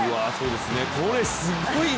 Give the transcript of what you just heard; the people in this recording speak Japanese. これすごいね。